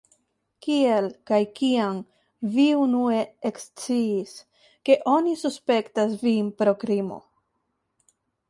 Kiel kaj kiam vi unue eksciis, ke oni suspektas vin pro krimo?